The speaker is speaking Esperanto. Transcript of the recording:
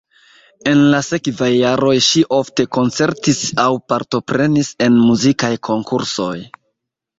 En la sekvaj jaroj ŝi ofte koncertis aŭ partoprenis en muzikaj konkursoj.